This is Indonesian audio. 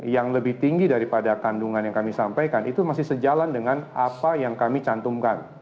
yang lebih tinggi daripada kandungan yang kami sampaikan itu masih sejalan dengan apa yang kami cantumkan